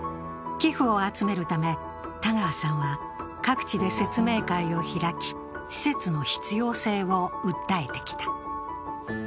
寄付を集めるため、田川さんは各地で説明会を開き、施設の必要性を訴えてきた。